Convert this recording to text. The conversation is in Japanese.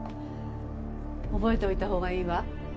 覚えておいたほうがいいわ。